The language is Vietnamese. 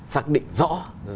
xác định rõ